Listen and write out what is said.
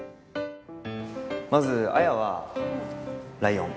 まずあやはライオン。